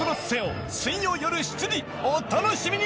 ・お楽しみに！